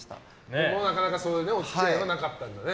でもなかなかお付き合いはなかったんだね。